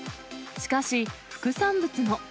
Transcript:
しかし、副産物も。